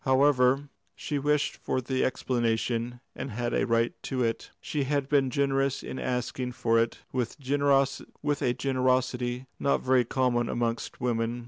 However, she wished for the explanation and had a right to it; she had been generous in asking for it, with a generosity not very common amongst women.